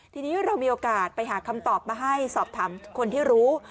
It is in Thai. ทีนี้เรามีโอกาสไปหาคำตอบมาให้สอบถามคนที่รู้